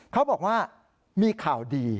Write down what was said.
เขาบอกว่ามีข่าวดี